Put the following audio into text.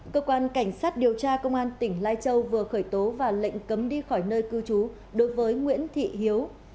cơ quan cảnh sát điều tra công an tỉnh lai châu vừa khởi tố và lệnh cấm đi khỏi nơi cư trú đối với nguyễn thị hiếu